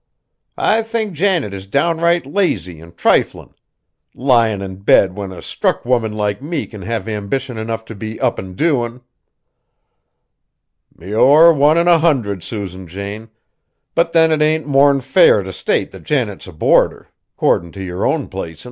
"I think Janet is downright lazy an' triflin'. Lyin' in bed when a struck woman like me can have ambition enough to be up an' doin'." "You're one in a hundred, Susan Jane, but then it ain't more'n fair t' state that Janet's a boarder, 'cordin' t' yer own placin'."